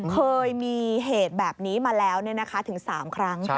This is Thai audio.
เคยมีเหตุแบบนี้มาแล้วถึง๓ครั้ง